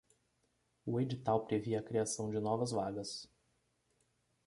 O edital previa a criação de novas vagas